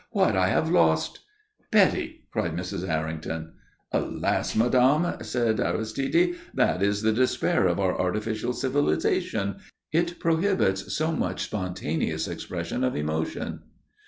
"What I have lost!" "Betty!" cried Mrs. Errington. "Alas, Madame," said Aristide, "that is the despair of our artificial civilization. It prohibits so much spontaneous expression of emotion."